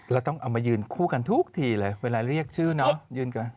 เราต้องเอามายืนคู่กันทุกทีเลยเวลาเรียกชื่อเนาะยืนกัน